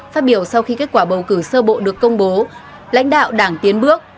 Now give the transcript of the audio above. phát biểu sau khi kết quả bầu cử sơ bộ được công bố lãnh đạo đảng tiến bước